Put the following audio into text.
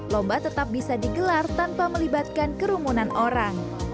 lomba tetap bisa digelar tanpa melibatkan kerumunan orang